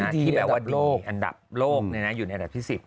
ที่แบบว่าโลกอันดับโลกอยู่ในอันดับที่๑๐